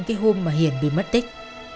cái hôm mà hiền bị mất tích